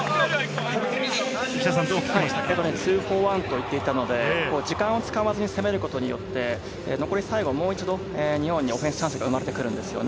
ツーフォーワンと言っていたので、時間を使わずに攻めることによって、残り最後、もう一度、日本にオフェンスチャンスが生まれてきます。